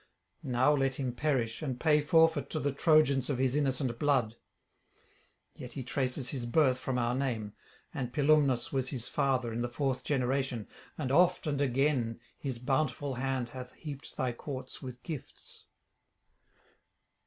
Now let him perish, and pay forfeit to the Trojans of his innocent blood. Yet he traces his birth from our name, and Pilumnus was his father in the fourth generation, and oft and again his bountiful hand hath heaped thy courts with gifts.'